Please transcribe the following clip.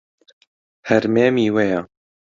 هەرمێ میوەیە.